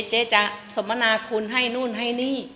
เจ๊จะสมนาคุณให้นู่นให้นี่